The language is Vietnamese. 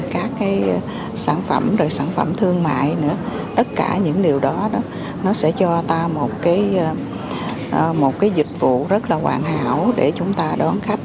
các sản phẩm sản phẩm thương mại tất cả những điều đó sẽ cho ta một dịch vụ rất là hoàn hảo để chúng ta đón khách